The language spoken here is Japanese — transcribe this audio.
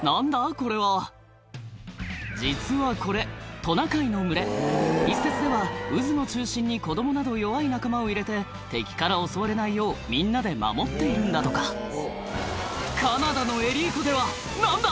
これは実はこれトナカイの群れ一説では渦の中心に子供など弱い仲間を入れて敵から襲われないようみんなで守っているんだとかカナダのエリー湖では何だ？